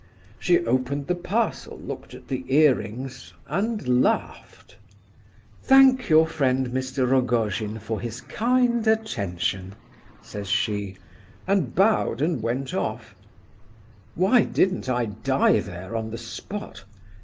"She opened the parcel, looked at the earrings, and laughed. "'Thank your friend Mr. Rogojin for his kind attention,' says she, and bowed and went off. Why didn't I die there on the spot?